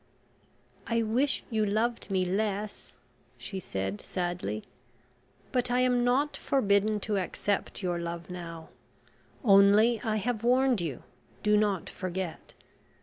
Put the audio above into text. "I wish you loved me less," she said sadly. "But I am not forbidden to accept your love now; only, I have warned you, do not forget.